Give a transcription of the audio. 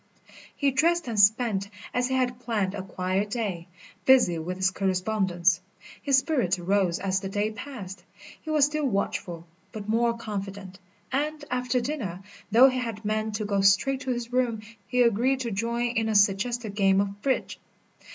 He dressed and spent, as he had planned, a quiet day, busy with his correspondence. His spirits rose as the day passed. He was still watchful, but more confident; and, after dinner, though he had meant to go straight to his room, he agreed to join in a suggested game of bridge.